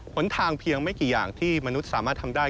หนทางเพียงไม่กี่อย่างที่มนุษย์สามารถทำได้